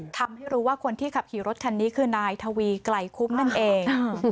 ทำให้รู้ว่าคนที่ขับขี่รถคันนี้คือนายทวีไกลคุ้มนั่นเอง